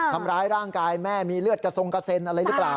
ทำร้ายร่างกายแม่มีเลือดกระทรงกระเซ็นอะไรหรือเปล่า